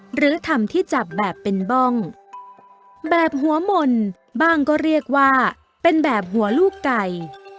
หรือทำที่จับแบบเป็นบ้องแบบหัวมนต์บ้างก็เรียกว่าเป็นแบบหัวลูกไก่